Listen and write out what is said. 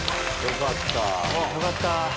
よかった。